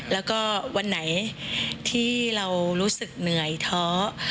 แล้วก็วันไหนที่เรารู้สึกเหนื่อยท้อ